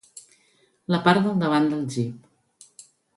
La part del davant del jeep.